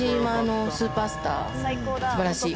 素晴らしい。